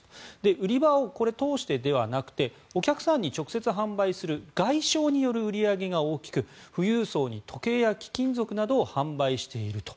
売り場を通してではなくてお客さんに直接販売による外商による売り上げが大きく富裕層に時計や貴金属などを販売していると。